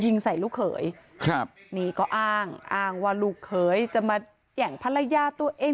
ยิงใส่ลูกเขยครับนี่ก็อ้างอ้างว่าลูกเขยจะมาแย่งภรรยาตัวเอง